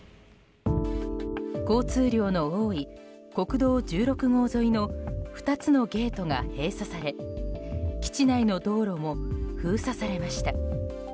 交通量の多い国道１６号沿いの２つのゲートが閉鎖され基地内の道路も封鎖されました。